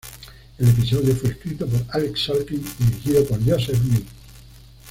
El episodio fue escrito por Alec Sulkin y dirigido por Joseph Lee.